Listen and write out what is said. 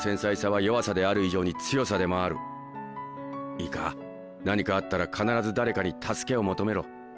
いいか何かあったら必ず誰かに助けを求めろ。